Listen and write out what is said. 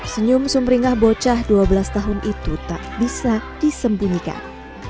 senyum sumringah bocah dua belas tahun itu tak bisa disembunyikan